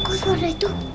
kok suara itu